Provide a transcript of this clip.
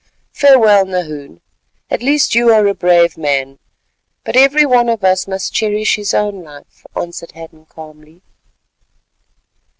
Farewell, Nahoon, at least you are a brave man, but every one of us must cherish his own life," answered Hadden calmly.